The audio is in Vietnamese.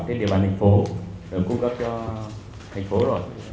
thì địa bàn thành phố được cung cấp cho thành phố rồi